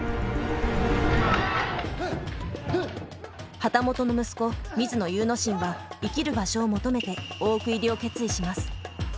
旗本の息子水野祐之進は生きる場所を求めて大奥入りを決意します。